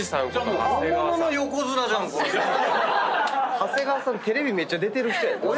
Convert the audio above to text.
長谷川さんテレビめっちゃ出てる人やな。